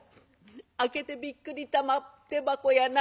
「開けてびっくり玉手箱やな。